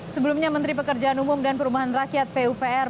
sebelumnya menteri pekerjaan umum dan perumahan rakyat pupr